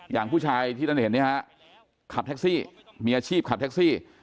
อย่างผู้ชายที่ท่านเห็นเนี่ยฮะขับแท็กซี่มีอาชีพขับแท็กซี่